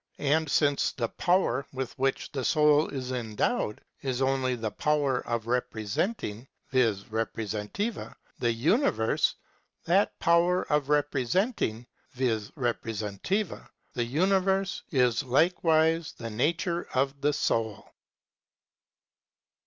and since the power with which the soul is endowed (§ 53) is only the power of re presenting {vis reprcBsentiva) the universe (§62), that power of re presenting {vis reprcesentiva) the universe is likewise the nature of the soul.